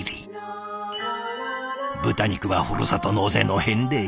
豚肉はふるさと納税の返礼品。